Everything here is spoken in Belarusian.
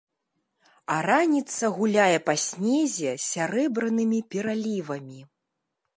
А раніца гуляе па снезе сярэбранымі пералівамі.